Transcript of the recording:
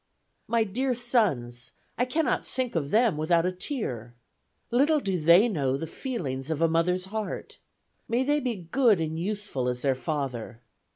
My dear sons, I cannot think of them without a tear. Little do they know the feelings of a mother's heart. May they be good and useful as their father!